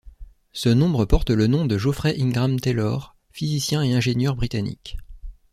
Ce nombre porte le nom de Geoffrey Ingram Taylor, physicien et ingénieur britannique.